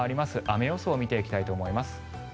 雨予想を見ていきたいと思います。